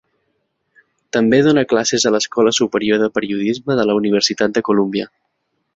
També dóna classes a l'Escola Superior de Periodisme de la Universitat de Columbia.